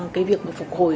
cái việc phục hồi